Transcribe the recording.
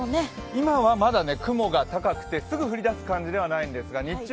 今はまだ雲が高くてすぐ降り出す感じではないんですが日中、